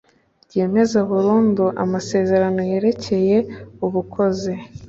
ryemeza burundu Amasezerano yerekeye ubukoze